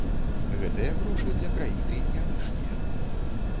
Гэтыя грошы для краіны не лішнія.